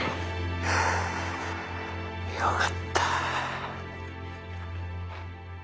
よかった。